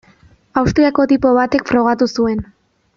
Austriako tipo batek frogatu zuen.